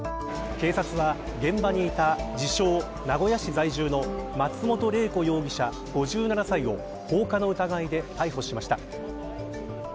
警察は現場にいた自称、名古屋市在住の松本玲子容疑者５７歳を放火の疑いで逮捕しました。